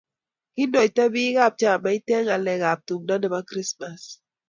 Kindoita biik ab chamait eng ngalek ab tumdo nebo krismas